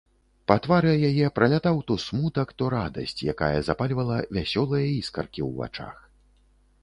Па твары яе пралятаў то смутак, то радасць, якая запальвала вясёлыя іскаркі ў вачах.